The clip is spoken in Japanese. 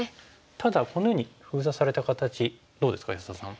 ただこのように封鎖された形どうですか安田さん。